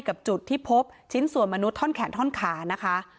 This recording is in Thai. จุดที่พบชิ้นส่วนมนุษยท่อนแขนท่อนขานะคะ